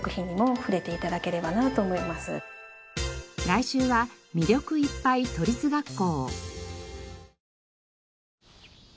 来週は魅力いっぱい都立学校。